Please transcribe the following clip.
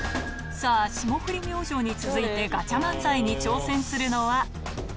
さあ、霜降り明星に続いてガチャ漫才に挑戦するのは。